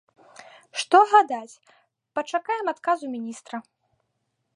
Што гадаць, пачакаем адказу міністра!